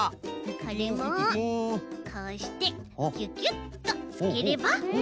これもこうしてキュキュッとつければ。